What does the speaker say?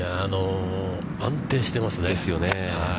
安定してますね。